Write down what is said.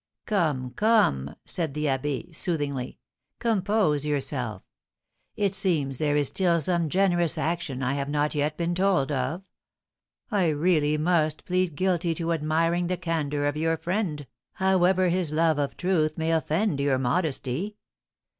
"Come, come!" said the abbé, soothingly, "compose yourself. It seems there is still some generous action I have not yet been told of. I really must plead guilty to admiring the candour of your friend, however his love of truth may offend your modesty.